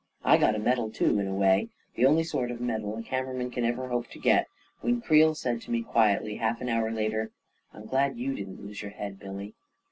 I got a medal too, in a way — the only sort of medal a camera* man can ever hope to get — when Creel said to me quietly, half an hour later, " I'm glad you didn't lose your head, Billy